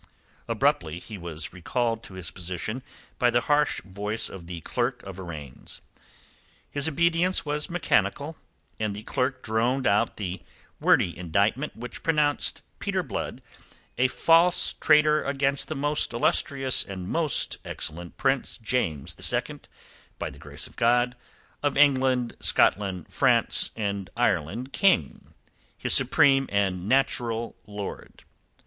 Abruptly he was recalled to his position by the harsh voice of the clerk of arraigns. His obedience was mechanical, and the clerk droned out the wordy indictment which pronounced Peter Blood a false traitor against the Most Illustrious and Most Excellent Prince, James the Second, by the grace of God, of England, Scotland, France, and Ireland King, his supreme and natural lord.